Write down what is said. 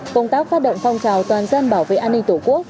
công tác phát động phong trào toàn dân bảo vệ an ninh tổ quốc